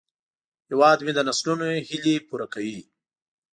هیواد مې د نسلونو هیلې پوره کوي